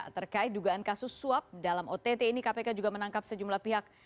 terkait dugaan kasus suap dalam ott ini kpk juga menangkap sejumlah pihak